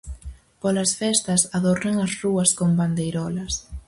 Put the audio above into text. Polas festas, adornan as rúas con bandeirolas.